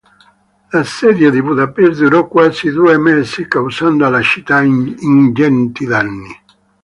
L'assedio di Budapest durò quasi due mesi, causando alla città ingenti danni.